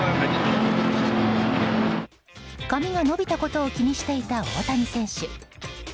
髪が伸びたことを気にしていた大谷選手。